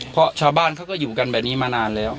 เพราะชาวบ้านเขาก็อยู่กันแบบนี้มานานแล้ว